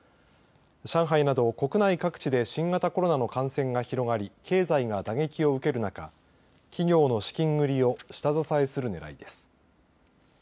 上海など国内各地で新型コロナの感染が広がり経済が打撃を受ける中企業の資金繰りを下支えする狙いです。